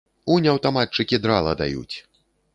Унь аўтаматчыкі драла даюць.